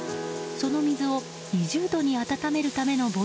その水を２０度に温めるための